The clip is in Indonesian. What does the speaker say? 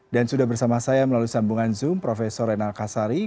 sudah bersama saya melalui sambungan zoom prof renal kasari